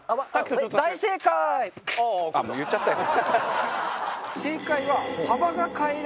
もう言っちゃったよ。